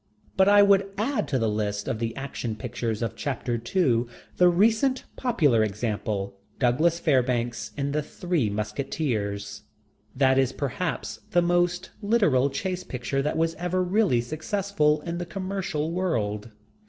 But I would add to the list of Action Films of chapter two the recent popular example, Douglas Fairbanks in The Three Musketeers. That is perhaps the most literal "Chase Picture" that was ever really successful in the commercial world.